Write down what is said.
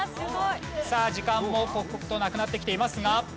さあ時間も刻々となくなってきていますが。